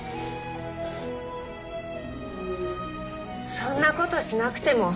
そんなことしなくても。